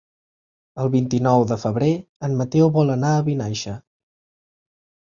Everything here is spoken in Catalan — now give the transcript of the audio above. El vint-i-nou de febrer en Mateu vol anar a Vinaixa.